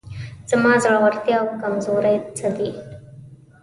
زما وړتیاوې او کمزورۍ څه دي؟